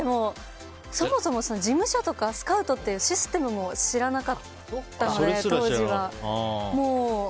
そもそも事務所とかスカウトってシステムも知らなかったので当時は。